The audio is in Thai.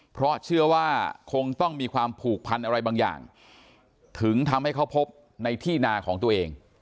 เพราะเชื่อว่าคงต้องมีความผูกพันอะไรบางอย่างถึงทำให้เขาพบในที่นาของตัวเอง